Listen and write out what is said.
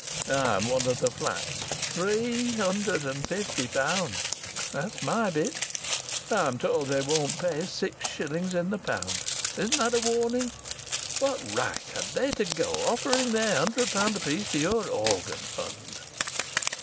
I'm one of the flats. Three hundred and fifty pound that's my bit; I'm told they won't pay six shillings in the pound. Isn't that a warning? What right had they to go offering their hundred pound apiece to your organ fund?"